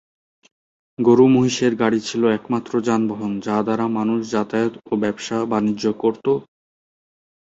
গরু-মহিষের গাড়ী ছিল একমাত্র যানবাহন যা দ্বারা মানুষ যাতায়াত ও ব্যবসা-বাণিজ্য করত।